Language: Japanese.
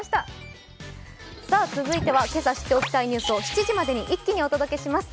続いてはけさ知っておきたいニュースを７時までに一気にお届けします。